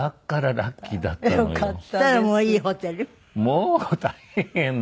もう大変。